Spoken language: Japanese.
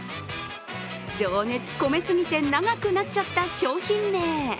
情熱込めすぎて長くなっちゃった商品名。